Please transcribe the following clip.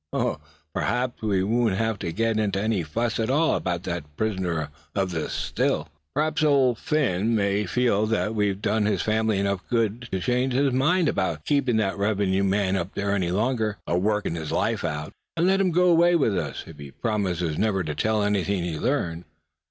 Oh! p'raps, suh, we won't have to get into any fuss at all about that prisoner of the Still; p'raps Old Phin might feel that we'd done his family enough good to change his mind about keepin' that revenue man up there any longer, aworkin' his life out; and let him go away with us, if he promised never to tell anything he'd learned.